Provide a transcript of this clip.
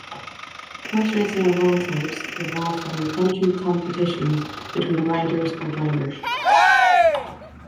Horse racing of all types evolved from impromptu competitions between riders or drivers.